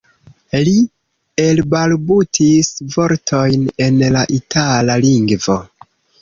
Li elbalbutis vortojn en la itala lingvo.